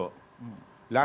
lah harus kita setuju